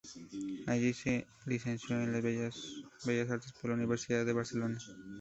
Allí se licenció en "Bellas Artes por la Universidad de Barcelona".